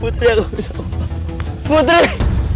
putri aku bisa maaf